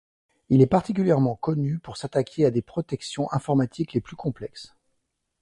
Il est particulièrement connu pour s'attaquer à des protections informatiques les plus complexes.